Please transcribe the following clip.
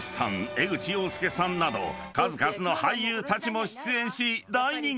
江口洋介さんなど数々の俳優たちも出演し大人気に］